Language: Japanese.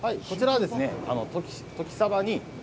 こちらはですね、旬さばに